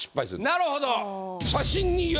なるほど！